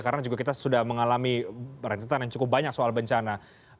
karena juga kita sudah mengalami rencetan yang cukup banyak soal bencana